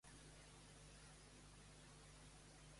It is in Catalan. Qui relacionaven amb Hades?